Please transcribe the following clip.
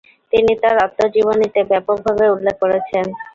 তিনি তার আত্মজীবনীতে ব্যাপকভাবে উল্লেখ করেছেন।